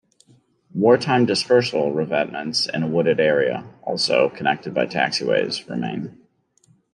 Wartime dispersal revetments in a wooded area, also connected by taxiways, remain.